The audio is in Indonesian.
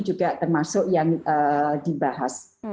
juga termasuk yang dibahas